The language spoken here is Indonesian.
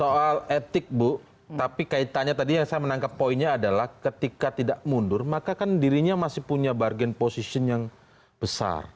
soal etik bu tapi kaitannya tadi yang saya menangkap poinnya adalah ketika tidak mundur maka kan dirinya masih punya bargain position yang besar